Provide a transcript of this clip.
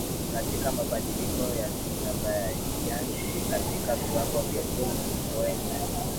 katika mabadiliko ya tabianchi katika viwango vya juu Mwishowe ni